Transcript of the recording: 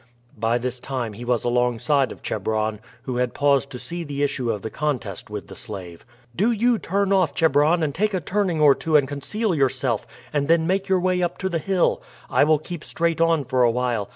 By this time he was alongside of Chebron, who had paused to see the issue of the contest with the slave. "Do you turn off, Chebron, and take a turning or two and conceal yourself, and then make your way up to the hill. I will keep straight on for awhile.